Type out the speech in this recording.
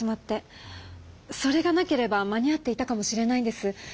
それがなければ間に合っていたかもしれないんです。